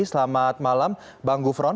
selamat malam bang gufron